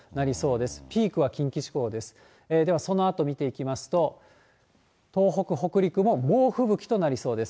では、そのあと見ていきますと、東北、北陸も猛吹雪となりそうです。